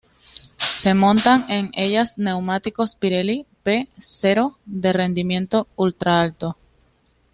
Se montan en ellas neumáticos Pirelli P Zero de rendimiento ultra alto.